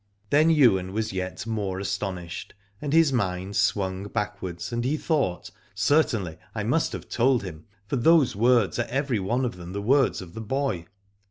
Then Ywain was yet more astonished, and his mind swung backwards and he thought, Certainly I must have told him, for these words are every one of them the words of the boy.